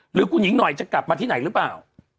หรือคุณหญิงหน่อยจะกลับมาที่ไหนหรือเปล่า